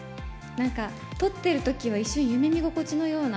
なんか、撮ってるときは一瞬、夢見心地のような。